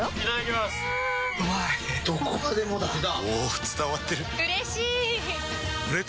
どこまでもだあ！